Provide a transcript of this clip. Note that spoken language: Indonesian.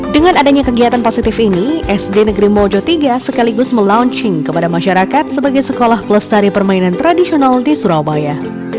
dengan adanya kegiatan positif ini sd negeri mojo iii sekaligus melaunching kepada masyarakat sebagai sekolah pelestari permainan tradisional di surabaya